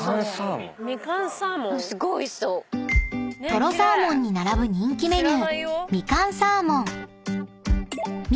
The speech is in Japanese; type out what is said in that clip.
［とろサーモンに並ぶ人気メニュー］